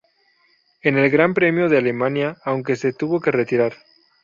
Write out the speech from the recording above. En el Gran Premio de Alemania aunque se tuvo que retirar.